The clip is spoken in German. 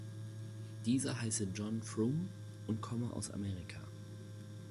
Dieser heiße John Frum und komme aus Amerika.